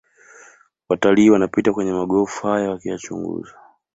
Watalii wanapita kwenye magofu haya wakiyachunguza